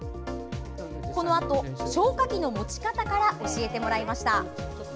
このあと、消火器の持ち方から教えてもらいました。